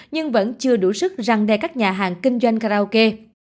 nhưng vẫn chưa đủ sức răng đe các nhà hàng kinh doanh karaoke